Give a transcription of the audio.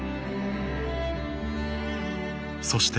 そして